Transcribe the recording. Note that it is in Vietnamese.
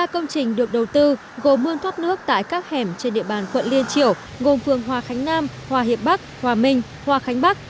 ba công trình được đầu tư gồm mương thoát nước tại các hẻm trên địa bàn quận liên triểu gồm phường hòa khánh nam hòa hiệp bắc hòa minh hòa khánh bắc